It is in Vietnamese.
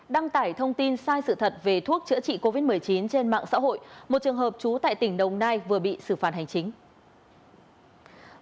đăng tải thông tin sai sự thật về thuốc chữa trị covid một mươi chín trên mạng xã hội một trường hợp trú tại tỉnh đồng nai vừa bị xử phạt hành chính